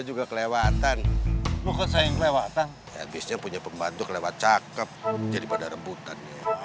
juga kelewatan lu ke sayang lewatang habisnya punya pembantu lewat cakep jadi pada rebutan